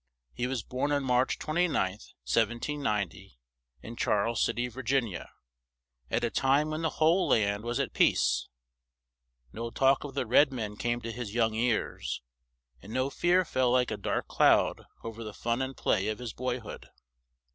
He was born on March 29th, 1790, in Charles Cit y, Vir gin i a, at a time when the whole land was at peace. No talk of the red men came to his young ears; and no fear fell like a dark cloud over the fun and play of his boy hood.